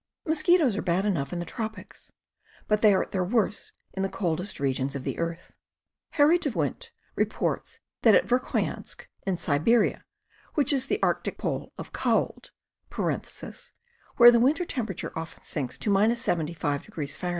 Mosquitoes are bad enough in the tropics, but they are at their worst in the coldest regions of the earth. . Harry de Windt reports that at Verk hoyansk, in Siberia, which is the arctic pole of cold (where the winter temperature often sinks to 75° Fahr.